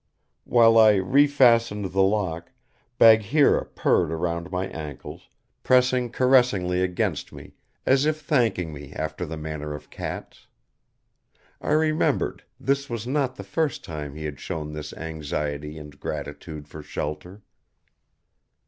While I refastened the lock, Bagheera purred around my ankles, pressing caressingly against me as if thanking me after the manner of cats. I remembered this was not the first time he had shown this anxiety and gratitude for shelter.